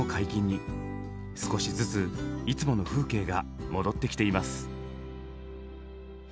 少しずついつもの風景が戻ってきています。